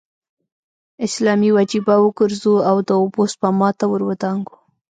اسلامي وجیبه وګرځو او د اوبو سپما ته ور ودانګو.